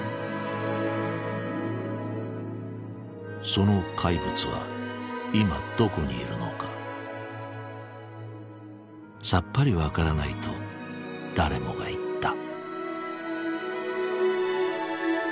その怪物は今どこにいるのかさっぱり分からないと誰もが言った。